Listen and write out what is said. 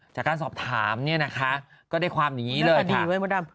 จากการสอบถามเนี่ยนะคะก็ได้ความอย่างนี้เลยมดดำ